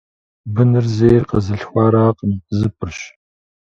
Быныр зейр къэзылъхуаракъым - зыпӏырщ.